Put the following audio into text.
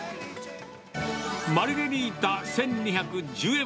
マルゲリータ１２１０円。